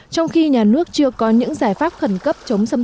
trong khi nhà nước chưa có những giải pháp khẩn cấp